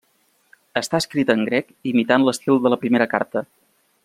Està escrita en grec imitant l'estil de la primera carta.